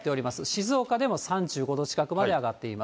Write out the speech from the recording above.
静岡でも３５度近くまで上がっています。